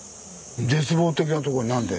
絶望的なとこになんで。